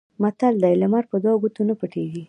متل دی: لمر په دوو ګوتو نه پټېږي.